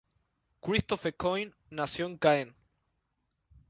Christophe Coin nació en Caen.